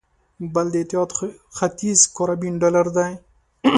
بل اتحاد د ختیځ کارابین ډالر دی.